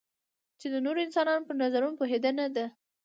چې د نورو انسانانو پر نظرونو پوهېدنه ده.